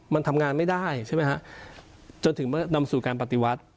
มันทำงานไม่ได้ใช่ไหมฮะจนถึงเมื่อนำสู่การปฏิวัติ